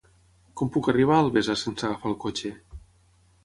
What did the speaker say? Com puc arribar a Albesa sense agafar el cotxe?